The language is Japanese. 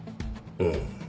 うん。